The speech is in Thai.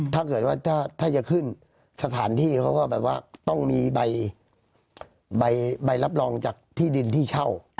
ถ้าเกิดว่าถ้าจะขึ้นสถานที่เขาก็แบบว่าต้องมีใบรับรองจากที่ดินที่เช่า